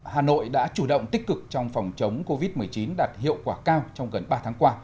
hà nội đã chủ động tích cực trong phòng chống covid một mươi chín đạt hiệu quả cao trong gần ba tháng qua